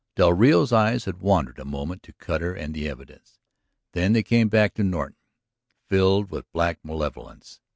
Del Rio's eyes had wandered a moment to Cutter and the evidence. Then they came back to Norton, filled with black malevolence.